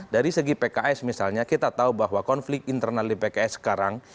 dari segi pks misalnya kita tahu bahwa konflik internal di pks sekarang